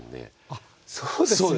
あそうですよね。